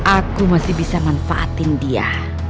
aku masih bisa manfaatin dia